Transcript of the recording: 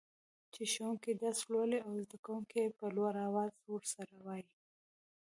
چي ښوونکي درس لولي او زده کوونکي يي په لوړ اواز ورسره وايي.